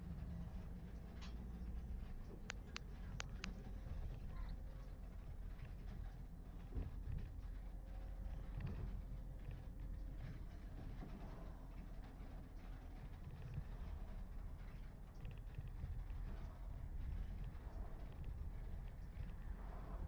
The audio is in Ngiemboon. Á la ne ńzáʼte metsǎŋ megǐ páʼ shʉshʉ́ŋe, ne ndedóŋ, ne kénʉʼ, ne gáʼa, ne kukwóŋo, ne sisìŋ ne nyɛ́ʼŋùʼ ngÿo tsɔ́ megǐ.